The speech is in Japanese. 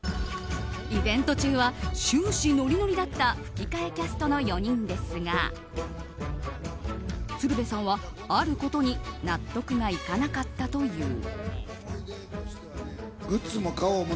イベント中は終始ノリノリだった吹き替えキャストの４人ですが鶴瓶さんは、あることに納得がいかなかったという。